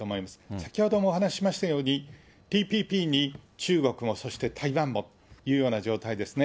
先ほどもお話ししましたように、ＴＰＰに中国も、そして台湾もというような状態ですね。